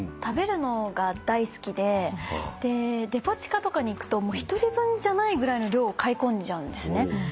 食べるのが大好きでデパ地下とかに行くと一人分じゃないぐらいの量を買い込んじゃうんですね。